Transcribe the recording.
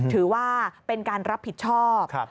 ถือว่าเป็นการรับผิดชอบ